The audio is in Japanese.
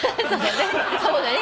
そうだね。